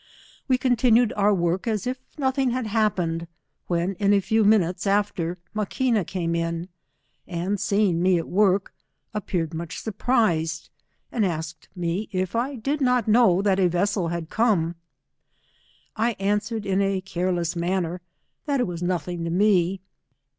We continued our work as if nothing had happened, when in a few minutes after, Maquina came in, and seeing us at work, appeared much surprised, and asked me if I did not know that a vessel bad come. I answered in a careless manner, that it was nothing to me.